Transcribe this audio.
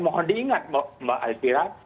mohon diingat mbak alfira